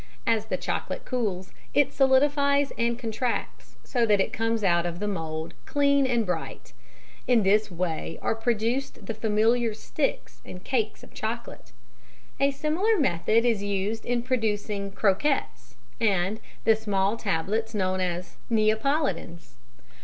As the chocolate cools, it solidifies and contracts so that it comes out of the mould clean and bright. In this way are produced the familiar sticks and cakes of chocolate. A similar method is used in producing "Croquettes" and the small tablets known as "Neapolitans."